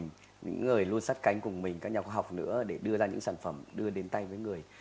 những người luôn sắt cánh cùng mình các nhà khoa học nữa để đưa ra những sản phẩm đưa đến tay với người